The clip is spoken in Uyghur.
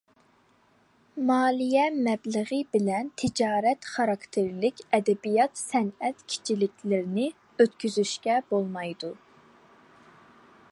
مالىيە مەبلىغى بىلەن تىجارەت خاراكتېرلىك ئەدەبىيات- سەنئەت كېچىلىكلىرىنى ئۆتكۈزۈشكە بولمايدۇ.